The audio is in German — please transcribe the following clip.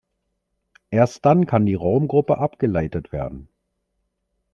Erst dann kann die Raumgruppe abgeleitet werden.